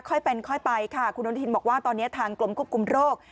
ค่อยเป็นค่อยไปค่ะคุณอนุทินบอกว่าตอนนี้ทางกรมควบคุมโรค